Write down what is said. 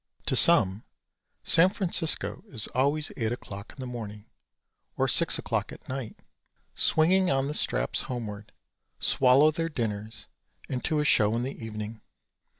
To some, San Francisco is always eight o'clock in the morning or six o'clock at night, swinging on the straps homeward, swallow their dinners and to a show in the evening.